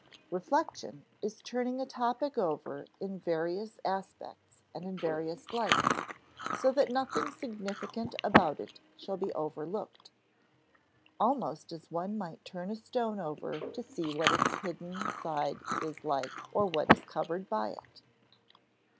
Reflection is turning a topic over in various aspects and in various lights so that nothing significant about it shall be overlooked almost as one might turn a stone over to see what its hidden side is like or what is covered by it.